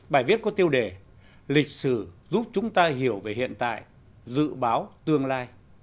bài viết có tiêu đề lịch sử giúp chúng ta hiểu về hiện tại dự báo tương lai